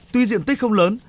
tuy diện tích không lớn